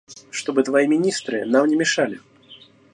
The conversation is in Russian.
Чтобы твои министры нам не мешали.